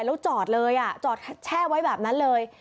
แล้วจอดแช้ไว้แบบนั้นเลย